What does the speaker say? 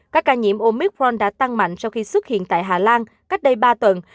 các ca nhiễm omicron đã tăng mạnh sau khi xuất hiện tại hà lan cách đây ba tuần